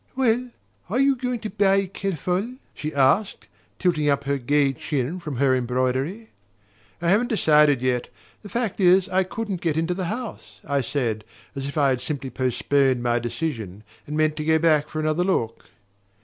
"Well are you going to buy Kerfol?" she asked, tilting up her gay chin from her embroidery. "I haven't decided yet. The fact is, I couldn't get into the house," I said, as if I had simply postponed my decision, and meant to go back for another look.